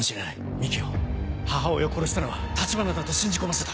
未希を母親を殺したのは橘だと信じ込ませた。